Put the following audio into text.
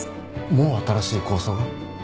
もう新しい構想を？